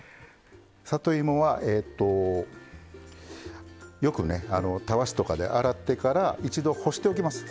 里芋はよくねたわしとかで洗ってから一度干しておきます。